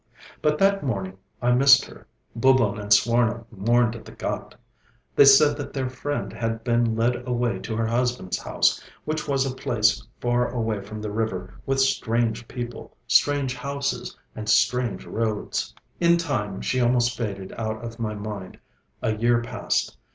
But that morning I missed her. Bhuban and Swarno mourned at the ghāt. They said that their friend had been led away to her husband's house, which was a place far away from the river, with strange people, strange houses, and strange roads. Bathing place. In time she almost faded out of my mind. A year passed.